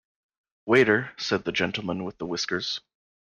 ‘Waiter,’ said the gentleman with the whiskers.